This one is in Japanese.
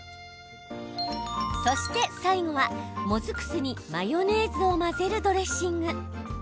そして最後は、もずく酢にマヨネーズを混ぜるドレッシング。